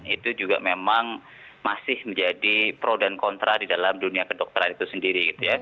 itu juga memang masih menjadi pro dan kontra di dalam dunia kedokteran itu sendiri